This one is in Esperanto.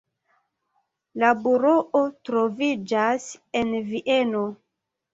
La buroo troviĝas en Vieno.